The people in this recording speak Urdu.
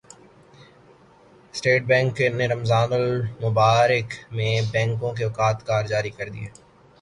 اسٹیٹ بینک نے رمضان المبارک میں بینکوں کے اوقات کار جاری کردیے